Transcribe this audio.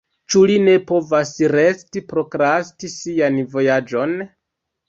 Ĉu li ne povas resti, prokrasti sian vojaĝon?